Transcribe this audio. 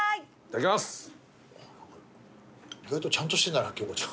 意外とちゃんとしてんだな京子ちゃん。